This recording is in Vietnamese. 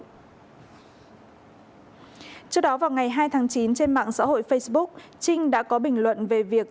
trước đó vào ngày hai tháng chín trên mạng xã hội facebook trinh đã có bình luận về việc